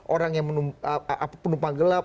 orang yang penumpang gelap